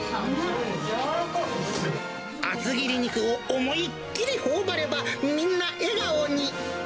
厚切り肉を思いっ切りほおばれば、みんな笑顔に。